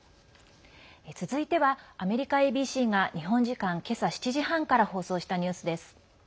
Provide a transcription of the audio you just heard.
続いては、アメリカＡＢＣが日本時間けさ７時半から放送したニュースです。